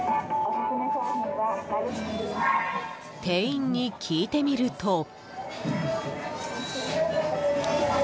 店員に聞いてみると。